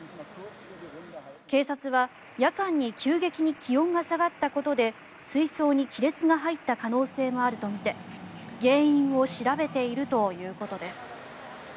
警察は、夜間に急激に気温が下がったことで水槽に亀裂が入った可能性もあるとみて原因を調べているということです。